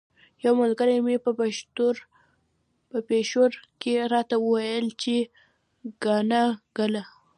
یوه ملګري مې په پیښور کې راته ویل چې قانه ګله.